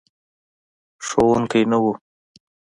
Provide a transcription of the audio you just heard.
ښوونکی نه و.